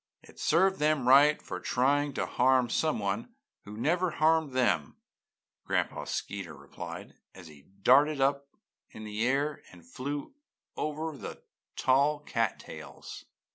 "It served them right for trying to harm someone who never harmed them!" Gran'pa Skeeterhawk replied, as he darted up in the air and flew over the tall cat tails.